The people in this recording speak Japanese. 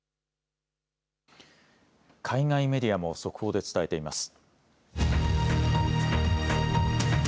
海外メディアも速報で伝えています。